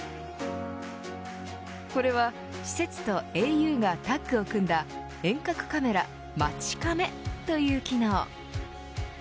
これは施設とａｕがタッグを組んだ遠隔カメラマチカメという機能。